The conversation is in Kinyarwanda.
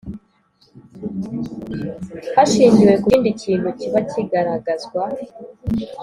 Hashingiwe ku kindi kintu kiba kigaragazwa